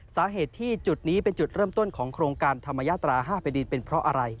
สาเหตุที่จุดนี้เป็นจุดเริ่มต้นของโครงการธรรมยาตรา๕แผ่นดินเป็นเพราะอะไร